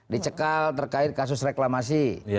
dicekal terkait kasus reklamasi